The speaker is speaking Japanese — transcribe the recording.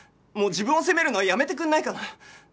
もう自分を責めるのはやめてくれないかな。